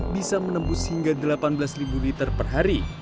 bisa menembus hingga delapan belas liter per hari